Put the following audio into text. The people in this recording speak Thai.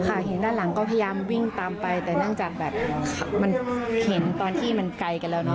เห็นด้านหลังก็พยายามวิ่งตามไปแต่เนื่องจากแบบมันเห็นตอนที่มันไกลกันแล้วเนอ